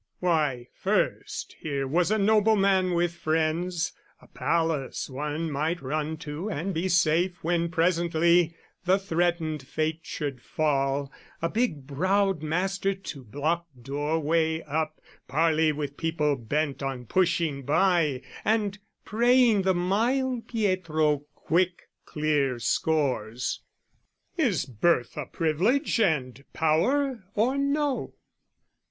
Why first, here was a nobleman with friends, A palace one might run to and be safe When presently the threatened fate should fall, A big browed master to block door way up, Parley with people bent on pushing by And praying the mild Pietro quick clear scores: Is birth a privilege and power or no?